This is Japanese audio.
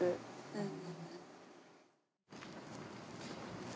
うん。